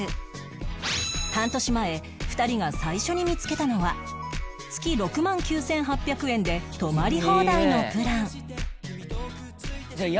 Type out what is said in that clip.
半年前２人が最初に見つけたのは月６万９８００円で泊まり放題のプラン